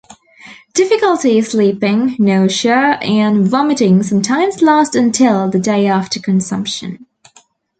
Difficulty sleeping, nausea, and vomiting sometimes last until the day after consumption.